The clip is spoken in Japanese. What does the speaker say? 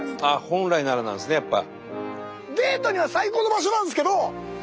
「本来なら」なんですねやっぱ。